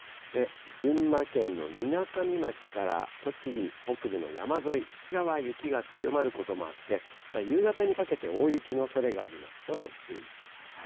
群馬県のみなかみ町から栃木北部の山沿い、こちらは雪が強まることもあって、夕方にかけて大雪のおそれがありますので、注意してください。